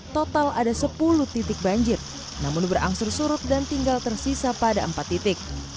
total ada sepuluh titik banjir namun berangsur surut dan tinggal tersisa pada empat titik